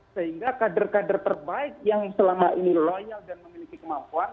sehingga kader kader terbaik yang selama ini loyal dan memiliki kemampuan